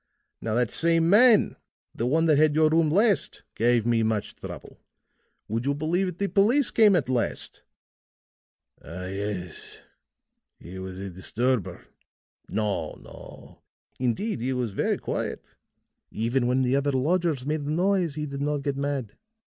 Now, that same man the one that had your room last gave me much trouble. Would you believe it, the police came at last!" "Ah, yes. He was a disturber." "No, no. Indeed, he was very quiet. Even when the other lodgers made a noise he did not get mad.